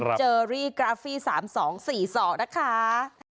เชอรี่กราฟี่๓๒๔๒นะคะ